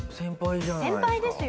先輩ですよ。